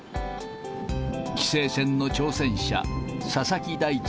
棋聖戦の挑戦者、佐々木大地